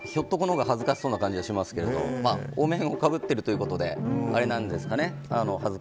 ひょっとこの方が恥ずかしそうな感じがしますがお面を被っているということであれなんですかね。